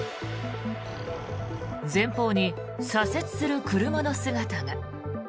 前方に左折する車の姿が。